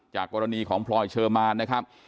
จากกรณีของพลอยเชอร์มานนะครับ